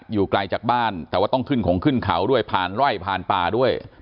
อยู่ไกลจากบ้านแต่ว่าต้องขึ้นของขึ้นเขาด้วยผ่านไร่ผ่านป่าด้วย